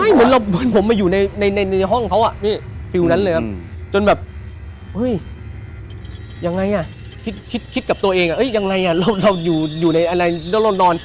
เหมือนเราไปอยู่ในบ้าน